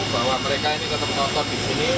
bahwa mereka ini tetap nonton di sini